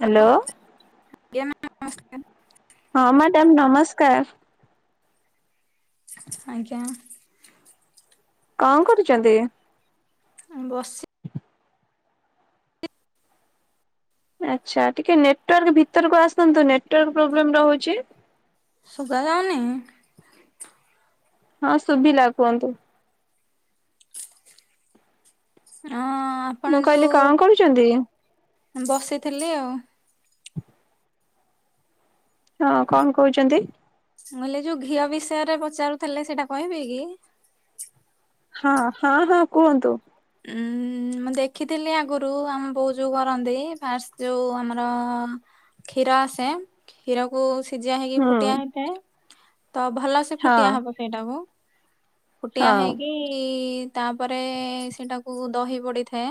Hello [unintelligible] ହଁ madam ନମସ୍କାର। ଆଜ୍ଞା କଣ କରୁଛନ୍ତି? ବସି। ଆଚ୍ଛା ଟିକେ ନେଟୱାର୍କ ଭିତରକୁ ଆସନ୍ତୁ ନେଟୱାର୍କ ପ୍ରୋବ୍ଲେମ୍ ରହୁଛି। ଶୁଭା ଯାଉନି ହଁ ଶୁଭିଲା କୁହନ୍ତୁ। ହଁ ମୁଁ ଆପଣ କହିଲି କଣ ଯୋଉ କରୁଛନ୍ତି? ବସିଥିଲି ଆଉ [inaudible] ହଁ କଣ କହୁଛନ୍ତି କହିଲେ ଯୋଉ ଘିଅ ବିଷୟରେ ପଚାରୁଥିଲେ ସେଇଟା କହିବେ କି? ହଁ ହଁ ହଁ କୁହନ୍ତୁ। ଉଁ ମୁଁ ଦେଖିଥିଲି ଆଗରୁ ଆମ ବୋଉ ଯୋଉ କରନ୍ତି ଫାଷ୍ଟ ଯୋଉ ଆମର କ୍ଷୀର ଆସେ କ୍ଷୀରକୁ ସିଝା ହେଇକି ହୁଁ ଫୁଟିଆ ହେଇଥାଏ ତ ଭଲ ସେ ହଁ। ଫୁଟିଆ ହବ ସେଇଟାକୁ ହଁ ଫୁଟିଆ ହେଇକି ତାପରେ ସେଇଟାକୁ ଦହି ପଡ଼ିଥାଏ।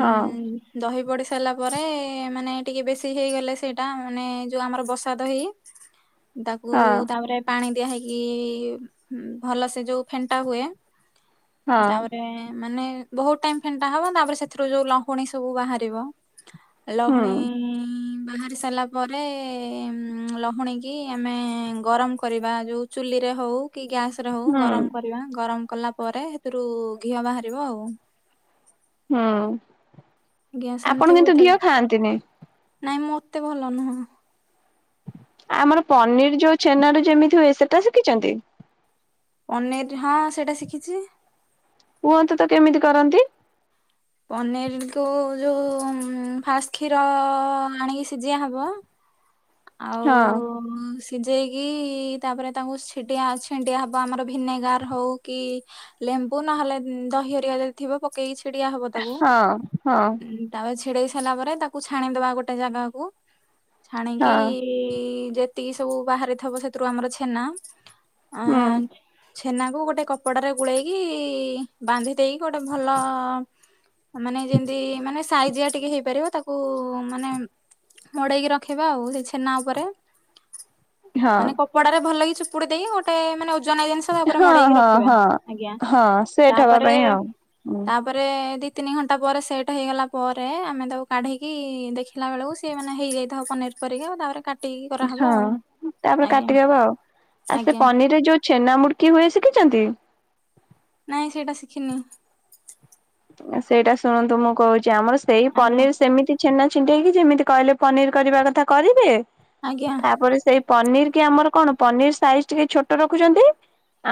ହଁ ଦହି ପଡ଼ି ସାରିଲା ପରେ ମାନେ ଟିକିଏ ବେଶୀ ହୋଇଗଲେ ସେଇଟା ମାନେ ଯେଉଁ ଆମର ବସା ଦହି [inaudible] ତାକୁ ହଁ ତାପରେ ପାଣି ଦିଆ ହେଇକି ଭଲ ସେ ଯୋଉ ଫେଣ୍ଟା ହୁଏ। ହଁ ତାପରେ ମାନେ ବହୁତ ଟାଇମ ଫେଣ୍ଟା ହବ ତାପରେ ସେଥିରୁ ଯୋଉ ଲହୁଣୀ ସବୁ ବାହାରିବ ହୁଁ ଲହୁଣୀ ବାହାରି ସାରିଲା ପରେ ଲହୁଣୀ କିି ଆମେ ଗରମ କରିବା ଯେଉଁ ଚୁଲିରେ ହଉ କି ଗ୍ୟାସ ରେ ହଉ ହୁଁ ଗରମ କରିବା ଗରମ କଲା ପରେ ସେଥିରୁ ଘିଅ ବାହାରିବ ଆଉ। ହୁଁ ଘିଅ ସେମିତି ଆପଣ କିନ୍ତୁ ହୋଇଥାଏ ଘିଅ ଖାଆନ୍ତିନି। ନାଇଁ ମୁଁ ଏତେ ଭଲ ନୁହଁ। ଆମର ପନିର ଯୋଉ ଛେନାରୁ ଯେମିତି ହୁଏ ସେଟା ଶିଖିଛନ୍ତି? ପନିର ହଁ ସେଇଟା ଶିଖିଛି। କୁହନ୍ତୁ ତ କେମିତି କରନ୍ତି? ପନିର କୁ ଯୋଉ ଫାଷ୍ଟ୍ କ୍ଷୀର ଆଣିକି ସିଝାହବ। ଆଉ ହଁ ସିଜେଇକି ତାପରେ ତାକୁ [unintelligible] ଛିଣ୍ଡିଆ ହେବ ଆମର ଭିନେଗାର ହେଉ କି ଲେମ୍ବୁ ନହେଲେ ଦହି ହେରିଆ ଯଦି ଥିବ ପକେଇକି ଛିଡି଼ଆ ହବ ତାକୁ। ହଁ ହଁ ତାପରେ ଚିଡ଼େଇ ସାରିଲା ପରେ ତାକୁ ଛାଣିଦବା ଗୋଟେ ଜାଗାକୁ ଛାଣିକି ହଁ ଯେତିକି ସବୁ ବାହାରିଥବ ସେଥିରୁ ଆମର ଛେନା ଅ ହୁଁ। ଛେନାକୁ ଗୋଟେ କପଡ଼ା ରେ ଗୁଳେଇକି ବାନ୍ଧି ଦେଇକି ଗୋଟେ ଭଲ ମାନେ ଯେମିତି ମାନେ ସାଇଜିଆ ଟିକେ ହେଇପାରିବ ତାକୁ ମାନେ ମଡେଇକି ରଖିବା ଆଉ ସେ ଛେନା ଉପରେ ହଁ ମାନେ କପଡ଼ାରେ ଭଲକି ଚିପୁଡ଼ି ଦେଇକି ଗୋଟେ ମାନେ ଓଜନିଆ ଜିନି ତା ଉପରେ ହଁ ମଡେଇକି ହଁ ରଖିବା ହଁ ଆଜ୍ଞା ହଁ ସେଟ୍ ହବା ତାପରେ ପାଇଁ ଆଉ ତା ତାପରେ ଦି ତିନି ଘଣ୍ଟା ପରେ ସେଟ୍ ହେଇଗଲା ପରେ ଆମେ ତାକୁ କାଢି଼କି ଦେ ଖିଲାବେଳକୁ ସେ ମାନେ ହେଇଯାଇଥିବ ପନିର ପରିକା ତା ପରେ କା ହଁ ତାପରେ କାଟିଦବା ଆଉ ଆ ସେ ଆଜ୍ଞା ପନିର ରେ ଯୋଉ ଛେନା ମୁଡୁକି ହୁଏ ଶିଖିଛନ୍ତି? ନାଇଁ ସେଇଟା ଶିଖିନି। ସେଇଟା ଶୁଣନ୍ତୁ ମୁଁ କହୁଛି ଆମର ସେଇ ଆଜ୍ଞା ପନିର୍ ସେମିତି ଛେନା ଛିଣ୍ଡେଇକି ଯେମିତି କହିଲେ ପନିରି କରିବା କଥା କରିବେ। ଆଜ୍ଞା। ତାପରେ ସେଇ ପନିର୍ କି ଆମର କଣ ପନିର୍ ସାଇଜି ଟିକେ ଛୋଟ ରଖୁଛନ୍ତି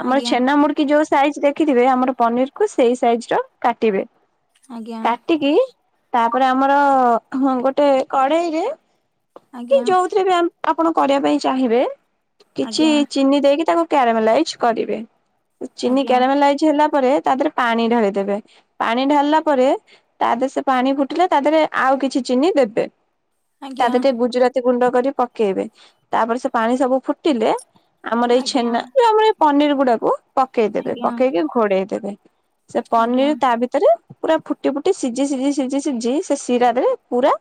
ଆମର ଆଜ୍ଞା ଛେନା ମୁଡ ମୁଡି଼କି ଯୋଉ ସାଇଜି ଦେଖିଥିବେ ଆମର ପନିରି କୁ ସେଇ ସାଇଜି ର କାଟିବେ। ଆଜ୍ଞା କାଟିକି ତାପରେ ଆମର ହଁ ଗୋଟେ କଡେଇରେ କି ଆଜ୍ଞା ଯୋଉଥିରେ ବି ଆ ଆପଣ କରିବା ପାଇଁ ଚାହିଁବେ କିଛି ଆଜ୍ଞା ଚିନି ଦେଇକି ତାକୁ କ୍ୟାରାମାଲାଇଜ୍ କରିବେ ଚିନି କ୍ୟାରାମାଲାଇଜ୍ ହେଲା ପରେ ତା ଦେହରେ ପାଣି ଢା଼ଳିଦେବେ। ପାଣି ଢା଼ଲିଲା ପରେ ତା ଦେହେ ସେ ପାଣି ଫୁଟିଲା ତା ଦେହରେ ଆଉ କିଛି ଚିନି ଦେବେ। ତା ଆଜ୍ଞା ଦେ ରେ ଟିକେ ଗୁଜୁରାତି ଗୁଣ୍ଡ କରି ପକେଇବେ ତାପରେ ସେ ପାଣି ସବୁ ଫୁଟିଲେ ଆମର ଏଇ ଆଜ୍ଞା ଛେନା ଯୋଉ ଆମର ଏଇ ପନିରି ଗୁଡା଼କୁ ପକେଇଦବେ ଆଜ୍ଞା ପକେଇକି ଘୋଡ଼େଇ ଦେବେ। ସେ ଆଜ୍ଞା ଆଜ୍ଞା ପନିରି ତା ଭିତରେ ପୁରା ଫୁଟି ଫୁଟି ସିଝି ସିଝି ସିଝି ସିଝି ସେ ସିରାରେ ପୁରା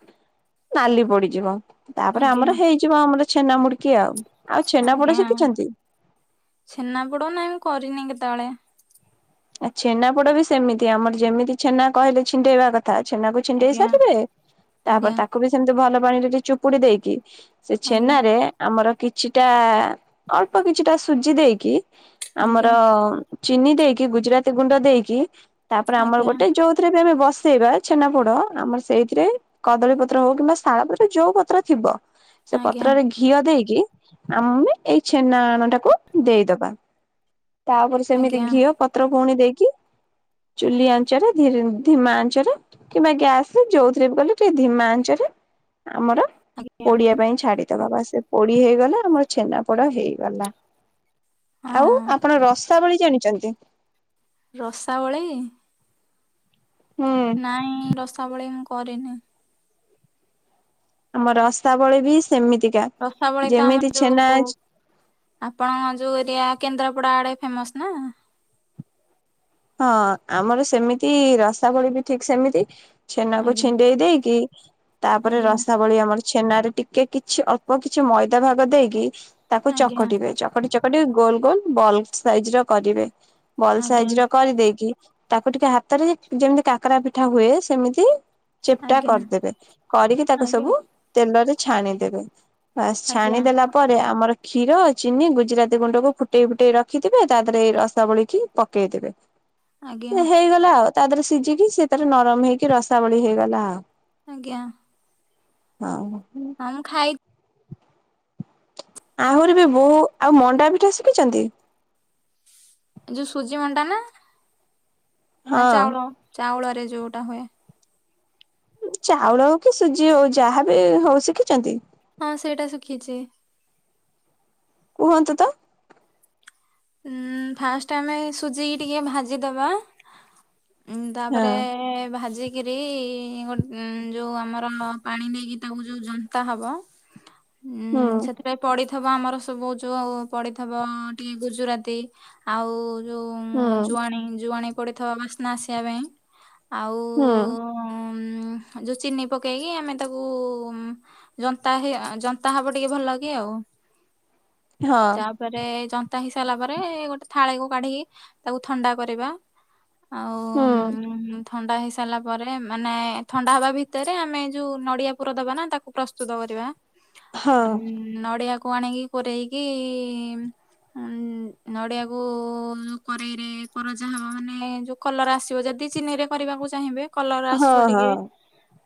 ନାଲି ପଡି଼ଯିବ ତାପରେ ଆଜ୍ଞା ଆମର ହେଇଯିବ ଆମର ଛେନା ମୁୁଡି଼କି ଆଉ। ଆଉ ଛେନାପୋଡ ଆଜ୍ଞା ଶିଖିଛନ୍ତି? ଛେନାପୋଡ଼ ନାଇଁ ମୁଁ କରିନି କେତେବେଳେ। ଆ ଛେନା ପୋଡ଼ ବି ସେମିତି ଆମର ଯେମିତି ଛେନା କହିଲେ ଛିଣ୍ଡେଇବା କଥା ଛେନାକୁ ଛିଣ୍ଡେଇ ଆଜ୍ଞା ସାରିବେ ତାପରେ ଆଜ୍ଞା ତାକୁ ବି ସେମିତି ଭଲ ପାଣିରେ ଟିକେ ଚୁପୁଡି଼ ଦେଇକି ସେ ଆଜ୍ଞା ଛେନାରେ ଆମର କିଛିଟା ଅଳ୍ପ କିଛିଟା ସୁଜି ଦେଇକି ଆମର ଆଜ୍ଞା ଚିନି ଦେଇକି ଗୁଜୁରାତି ଗୁଣ୍ଡ ଦେଇକି ତାପରେ ଆମର ଆଜ୍ଞା ଗୋଟେ ଯୋଉଥିରେ ବି ଆମେ ବସେଇବା। ଛେନାପୋଡ଼ ଆମର ସେଇଥିରେ କଦଳୀ ପତ୍ର ହଉ କିମ୍ବା ଶାଳ ପତ୍ର ଯୋଉ ପତ୍ର ଥିବ। ସେଇ ଆଜ୍ଞା ପତ୍ରରେ ଘିଅ ଦେଇକି ଆମେ ଏଇ ଛେନା ଆଣ ଟାକୁ ଦେଇଦବା। ତାପରେ ସେମିତି ଆଜ୍ଞା ଘିଅ ପତ୍ର ପୁଣି ଦେଇକି ଚୁଲି ଆଞ୍ଚରେ ଧି ଧିମା ଆଞ୍ଚରେ କିମ୍ବା ଗ୍ୟାସ ଯୋଉଥିରେ ବି କଲେ ଟିକେ ଧିମାଞ୍ଚରେ ଆମର ଆଜ୍ଞା ପୋଡି଼ଆ ପାଇଁ ଛାଡିଦବା ତା ସେ ପୋଡ଼ି ହେଇଗଲେ ଆମର ଛେନାପୋଡ଼ ହେଇଗଲା। ହଁ ଆଉ ଆପଣ ରସାବଳି ଜାଣିଚନ୍ତି? ରସାବଳି। ହୁଁ ନାଇଁ ରସାବଳି ମୁଁ କରିନି। ଆମ ରସାବଳି ବି ସେମିତିକା ରସାବଳି ତ ଆମର ଯେମିତି ଛେନା ଯୋଉ ଆପଣଙ୍କ ଯୋଉ ଏରିଆ କେନ୍ଦ୍ରାପଡ଼ା ଆଡ଼େ ଫେମସ ନା। ହଁ ଆମର ସେମିତି ରସାବଳି ବି ଠିକ୍ ସେମିତି। ଛେନାକୁ ଆଜ୍ଞା ଛିଣ୍ଡେଇ ଦେଇକି ତାପରେ ଆଜ୍ଞା ରସାବଳି ଆମର ଛେନାରେ ଟିକେ କିଛି ଅଳ୍ପ କିଛି ମଇଦା ଭାଗ ଦେଇକି ତାକୁ ଆଜ୍ଞା ଚକଟିବେ ଚ ଚକଟି ଚକଟି ଗୋଲ ଗୋଲ ବଲବ୍ ସାଇଜର କରିବେ ବଲ୍ ଆଜ୍ଞା ସାଇଜର କରିଦେଇକି ତାକୁ ଟିକେ ହାତରେ ଯେମିତି କାକରା ପିଠା ହୁଏ ସେମିତି ଚେପଟା ଆଜ୍ଞା କରିଦେବେ କରିକି ତାକୁ ସବୁ ତେଲରେ ଛାଣିଦେବେ। ବାସ୍ ଆଜ୍ଞା ଆଜ୍ଞା ଛାଣି ଦେଲା ପରେ ଆମର କ୍ଷୀର ଚିନି ଗୁଜୁରାତି ଗୁଣ୍ଡକୁ ଫୁଟେଇ ଫୁଟେଇ ରଖିଥିବେ ତା ଦେହରେ ଏଇ ରସାବଳିକି ପକେଇଦେବେ। ଆଜ୍ଞା ସେ ହେଇଗଲା ଆଉ ତା ଦେହରେ ସିଝିକି ସିଏ ତାର ନରମ ହେଇକି ରସାବଳି ହେଇଗଲା ଆଉ। ଆଜ୍ଞା। ଆଉ ମୁଁ ଖାଇକ୍ ଆହୁରି ବି ବୋଉ ଆଉ ମଣ୍ଡା ପିଠା ଶିଖିଛନ୍ତି? ଯୋଉ ସୁଜି ମଣ୍ଡା ନା ନା ହଁ। ଚାଉଳ ଚାଉଳରେ ଯୋଉଟା ହୁଏ? ଚାଉଳ ହୋଉ କି ସୁଜି ହୋଉ ଯାହାବି ହଉ ଶିଖିଛନ୍ତି? ହଁ ସେଇଟା ଶୁଖିଛି। କୁହନ୍ତୁ ତ। ଉଁ ଫାଷ୍ଟ ଆମେ ସୁଜିକି ଟିକେ ଭାଜିଦବା। ଉଁ ହଁ। ତାପରେ ଭାଜି କିରି ଉଁ ଗୋ ଯୋଉଁ ଆମର ପାଣି ନେଇକି ତାକୁ ଯୋଉ ଯନ୍ତା ହବ। ହୁଁ। ରେ ପଡ଼ିଥବ ଆମର ସବୁ ଯୋଉ ପଡ଼ିଥବ ଟିକେ ଗୁଜୁରାତି ଆଉ ଯୋଉ ହୁଁ ଜୁଆଣି ଜୁଆଣି ପଡ଼ିଥ ବାସ୍ନା ଆସିବା ପାଇଁ ଆଉ ହୁଁ ଉଁ ଯୋଉ ଚିନି ପକେଇକି ଆମେ ତାକୁ ଜନ୍ତା ହେ ଜନ୍ତା ହବ ଟିକେ ଭଲ କି ଆଉ। ହଁ। ପରେ ଜନ୍ତା ହେଇ ସାରିଲା ପରେ ଗୋଟେ ଥାଳିକୁ କାଢ଼ିକି ତାକୁ ଥଣ୍ଡା କରିବା। ଆଉ ହୁଁ ଉଁ ଥଣ୍ଡା ହେଇସାରିଲା ପରେ ମାନେ ଥଣ୍ଡା ହବା ଭିତରେ ଆମେ ଯୋଉ ନଡ଼ିଆ ପୁର ଦବାନା ତାକୁ ପ୍ରସ୍ତୁତ କରିବା। ହଁ। ଉଁ ନଡିଆକୁ ଆଣିକି କୋରେଇକି ଉଁ ନଡ଼ିଆକୁ କରେଇରେ କରଜା ହବ ମାନେ ଯୋଉ କଲର ଆସିବ ଯଦି ଚିନିରେ କରିବାକୁ ଚାହିଁବେ କଲର ହଁ ଆସିବ ହଁ ଟିକେ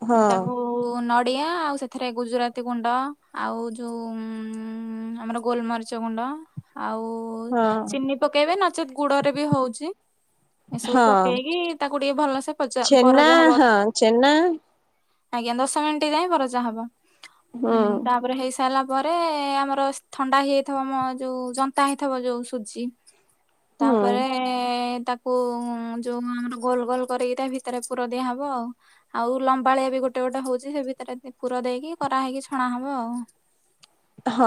ହଁ ତାକୁ ନଡ଼ିଆ ଆଉ ସେଥିରେ ଗୁଜୁରା ତି ଗୁଣ୍ଡ ଆଉ ଉଁ ଆମର ଗୋଲମରିଚ ଗୁଣ୍ଡ ଆଉ ଉ ହଁ ଚିନି ପକେଇବେ ନଚେତ୍ ଗୁଡ଼ରେ ବି ହଉଚି। ଏସବୁ ହଁ ପକେଇକି ତାକୁ ଟିକେ ଭଲସେ ପଜା ଛେନା ପରଜା ହବ। ହଁ ଛେନା ଆଜ୍ଞା ଦଶ ମିଣ୍ଟି ଯାଏଁ ପରଜା ହବ ହୁଁ ଉଁ ତାପରେ ହେଇ ସା ସାଲା ପରେ ଆମର ଥଣ୍ଡା ହେଇଯାଇଥିବ ଆମ ଯୋଉ ଜନ୍ତା ହେଇଥିବ ଯୋଉ ସୁଜି। ହୁଁ ତାପରେ ଏ ତାକୁ ଯୋଉ ଆମର ଗୋଲ ଗୋଲ କରିକି ତା ଭିତରେ ପୁର ଦିଆହବ ଆଉ। ଆଉ ଲମ୍ବାଳିଆ ବି ଗୋଟେ ଗୋଟେ ହଉଛି ସେ ଭିତରେ ପୁର ଦେଇକି କରାହେଇକି ଛଣା ହବ ଆଉ। ହଁ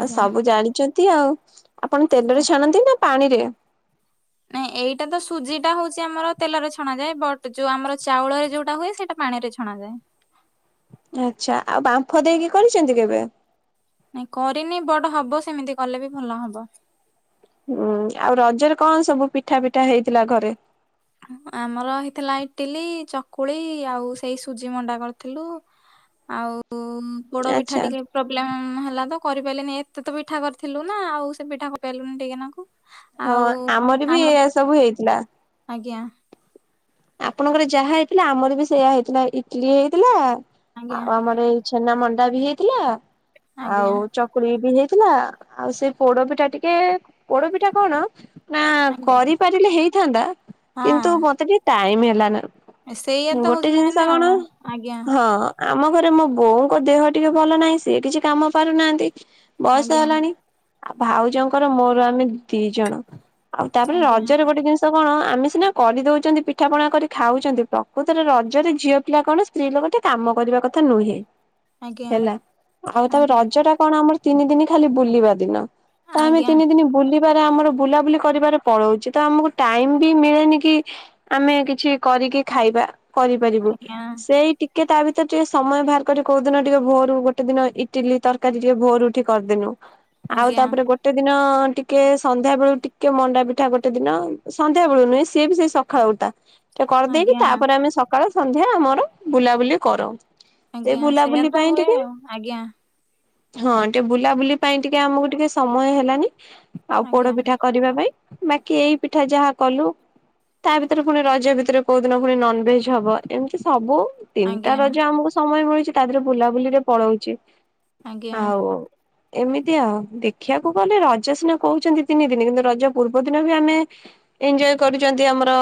ଆ ସବୁ ଜାଣିଛନ୍ତି ଆଉ ଆପଣ ତେଲରେ ଛାଣନ୍ତି ନା ପାଣିରେ? ନାଇଁ ଏଇଟା ତ ସୁଜି ଟା ହଉଛି ଆମର ତେଲରେ ଛଣା ଯାଏ ବଟ୍ ଯୋଉ ଆମର ଚାଉଳରେ ଯୋଉଟା ହୁଏ ସେଇଟା ପାଣି ରେ ଛଣାଯାଏ। ଆଚ୍ଛା ଆଉ ବାମ୍ଫ ଦେଇକି କରିଚନ୍ତି କେବେ? ନାଇଁ କରିନି ବଟ ହବ ସେମିତି କଲେ ବି ଭଲ ହବ। ଉଁ ଆଉ ରଜରେ କଣ ସବୁ ପିଠା ପିଠା ହେଇଥିଲା ଘରେ? ଆମର ହେଇଥିଲା ଇଟିଲି ଚକୁଳି ଆଉ ସେଇ ସୁଜି ମଣ୍ଡା କରିଥିଲୁ। ଆଉ ପୋଡ଼ପିଠା ଆଚ୍ଛା ଟିକେ ପ୍ରୋବ୍ଲେମ ହେଲା ତ କରିପାଇଲିନି ଏତେ ତ ପିଠା କରିଥିଲୁ ନା ଆଉ ସେ ପିଠା କରିପାଇଲୁନି ଟିକେ ନାଁକୁ। ହଁ ଆମର ବି ଏୟା ସବୁ ହେଇଥିଲା। ଆଜ୍ଞା। ଆପଣଙ୍କର ଯାହା ହେଇଥିଲା ଆମର ବି ସେଇଆ ହେଇଥିଲା ଇଟଲିି ହେଇଥିଲା ଆଜ୍ଞା ଆଉ ଆମର ଏଇ ଛେନା ମଣ୍ଡା ବି ହେଇଥିଲା ଆଜ୍ଞା ଆଉ ଚକ କୁଳି ବି ହେଇଥିଲା ଆଉ ସେ ପୋଡ ପିଠା ଟିକେ ପୋଡ ପିଠା କଣ ନା ଆଜ୍ଞା କରିପାରିଲେ ହେଇଥାନ୍ତା କିନ୍ତୁ ହଁ ମତେ ଟିକେ ଟାଇମ ହେଲା ନା। ସେଇଆ ତ ଗୋଟେ ହଉଛି ମେନ୍ ଜିନିଷ କଣ ଆଉ ଆଜ୍ଞା ହଁ। ଆମ ଘରେ ମୋ ବୋଉଙ୍କ ଦେହ ଟିକେ ଭଲ ନାହିଁ ସିଏ କିଛି କାମ ପାରୁନାହାନ୍ତି। ବୟସ ଆଜ୍ଞା ହେଲାଣି ଆଉ ଭାଉଜଙ୍କର ମୋର ଆମେ ଦି ଜଣ। ଆଉ ତାପରେ ଆଜ୍ଞା ରଜରେ ଗୋଟେ ଜିନିଷ କଣ ଆମେ ସିନା କରିଦଉଛନ୍ତି ପି ପିଠାପଣା କରି ଖାଉଛନ୍ତି ପ୍ରକୃତରେ ରଜରେ ଝିଅ ପିଲା କଣ ସ୍ତ୍ରୀ ଲୋକ ଟିକେ କାମ କରିବା କଥା ନୁହେଁ। ଆଜ୍ଞା ହେଲା ଆଉ ତ ଆଜ୍ଞା ରଜ ଟା କଣ ଆମର ତିନି ଦିନ ଖାଲି ବୁଲିବା ଦିନ। ତ ଆମେ ଆଜ୍ଞା ତିନି ଦିନ ବୁଲି ଆମର ବୁଲାବୁଲି କରିବାରେ ପଳଉଛି ତ ଆମକୁ ଟାଇମ ବି ମିଳେନି କି ଆମେ କିଛି କରିକି ଖାଇବା କରିପାରିବୁ ଆଜ୍ଞା ସେଇଟି କେ ତା ଭିତରେ ଟିକେ ସମୟ ବାହାର କରି କୋଉ ଦିନ ଟିକେ ଭୋରୁ ଗୋଟେ ଦିନ ଇଟିଲି ତରକାରୀ ଟିକେ ଭୋରୁଠି କରିଦେଲୁ। ଆଉ ଆଜ୍ଞା ତାପରେ ଗୋଟ ଗୋଟେ ଦିନ ଟିକେ ସନ୍ଧ୍ୟା ବେଳୁ ଟିକେ ମଣ୍ଡା ପିଠା ଗୋଟେ ଦିନ ସନ୍ଧ୍ୟା ବେଳୁ ନୁହେଁ ସିଏ ବି ସେ ସ ଖାଉତା ଟେ କରିଦେଇକି ଆଜ୍ଞା ତାପରେ ଆମେ ସକାଳେ ସନ୍ଧ୍ୟା ଆମର ବୁଲାବୁଲି କରୁ। ସେ ଆଜ୍ଞା ସେଆ ବୁଲାବୁଲି ତ ପାଇଁ ହୁଏ ଟିକେ ଆଉ ଆଜ୍ଞା। ହଁ ଟିକେ ବୁଲାବୁଲି ପାଇଁ ଟିକେ ଆମକୁ ଟିକେ ସମୟ ହେଲାନି ଆଉ ଆଜ୍ଞା ପୋଡପିଠା କରିବା ପାଇଁ ବାକି ଏଇ ପିଠା ଯାହା କଲୁ। ତା ଭିତରେ ପୁଣି ରଜ ଭିତରେ କୋଉ ଦିନ ପୁଣି ନନଭେଜ ହବ ଏମିତି ସବୁ। ତିନିଟା ଆଜ୍ଞା ରଜ ଆମକୁ ସମୟ ମିଳୁଛି ତା ଦିରେ ବୁଲାବୁଲିରେ ପଳଉଛି ଆଜ୍ଞା ଆଉ ଏମିତି ଆଉ ଦେଖିବାକୁ ଗଲେ ରଜ ସିନା କହୁଛନ୍ତି ତିନି ଦିନ କିନ୍ତୁ ରଜ ପୂର୍ବ ଦିନ ବି ଆମେ ଏଞଜୟ କରୁଛନ୍ତି ଆମର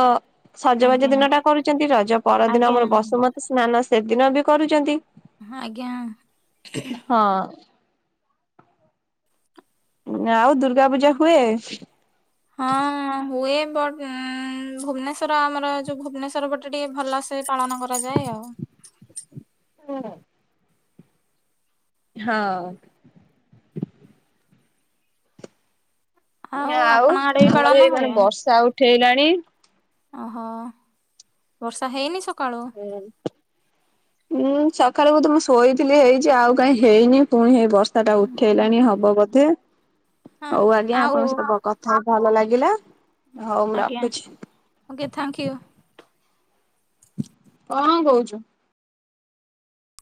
ସଜବାଜ ଆଜ୍ଞା ଦିନ ଟା କରୁଛନ୍ତି ରଜ ପରଦିନ ଆଜ୍ଞା ଆମର ବସୁମତୀ ସ୍ନାନ ସେଦିନ ବି କରୁଛନ୍ତି। ହଁ ଆଜ୍ଞା। ହଁ। ଆଉ ଦୁର୍ଗା ପୂଜା ହୁଏ। ହଁ ହୁଏ ବଟ ଭୁବନେଶ୍ଵର ଆମର ଯୋଉ ଭୁବନେଶ୍ଵର ଗୋଟେ ଟିକେ ଭଲସେ ସେ ପାଳନ କରାଯାଏ ଆଉ। କଣ। ହଁ। ଆଉ ଆପଣ ଆଡେ ବି ପାଳନ ଆମର ଏଇ ହୁଏ? କଣ ବର୍ଷା ଉଠେଇଲାଣି। ଅ ହ ବର୍ଷା ହେଇନି ସକାଳୁ। ହୁଁ। ଉୁଁ ସକାଳକୁ ତୁ ମୁଁ ଶୋଇଥିଲି ହେଇଛି ଆଉ କାଇଁ ହେଇନି ପୁଣି ହେଇ ବର୍ଷ ବର୍ଷା ଟା ହଁ ଉଠେଇଲାଣି ହବ ବୋଧେ ହଉ ଆଜ୍ଞା ଆଉ ଆପଣଙ୍କ ସହିତ କ ହ ଭଲ ଲାଗିଲା ହଉ ମୁଁ ଆଜ୍ଞା ରଖୁଛି। Okay thank you. କଣ କହୁଛୁ।